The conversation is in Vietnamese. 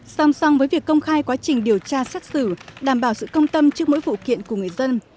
song song với việc công khai quá trình điều tra xác xử đảm bảo sự công tâm trước mỗi vụ kiện của người dân